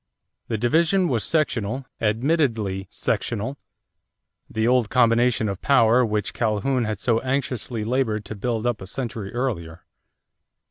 The division was sectional, admittedly sectional the old combination of power which Calhoun had so anxiously labored to build up a century earlier.